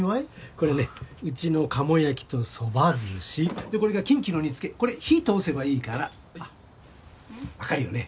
これねうちの鴨焼きとそば寿司でこれがキンキの煮つけこれ火とおせばいいから分かるよね